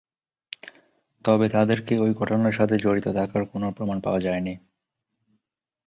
তবে তাদেরকে ঐ ঘটনার সাথে জড়িত থাকার কোন প্রমাণ পাওয়া যায়নি।